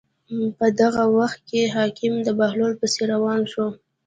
په دغه وخت کې حاکم د بهلول پسې روان شو.